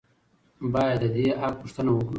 باید د دې حق غوښتنه وکړو.